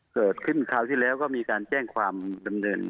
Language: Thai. เกิดขึ้นคราวที่แล้วก็มีการแจ้งความ